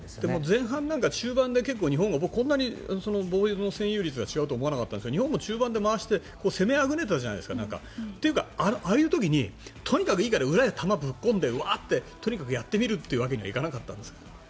前半とか中盤で日本がこんなにボールの占有率が違うと思わなかったんですが日本も中盤で回して攻めあぐねたじゃないですか。というか、ああいう時にとにかく裏へ球をぶっ込んでとにかくやってみるというわけにはいかなかったんですか？